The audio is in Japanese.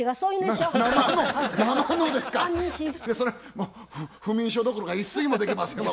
もう不眠症どころか一睡もできませんわ